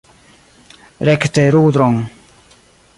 Rekte rudron!